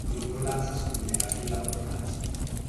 El grupo lanza su primera gira por Francia.